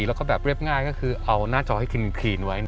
แล้วก็แบบเรียบง่ายก็คือเอาหน้าจอให้ครีนไว้